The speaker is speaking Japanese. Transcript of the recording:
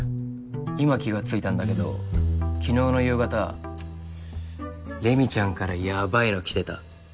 今気が付いたんだけど昨日の夕方レミちゃんからヤバいの来てた。